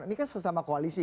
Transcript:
ini kan sesama koalisi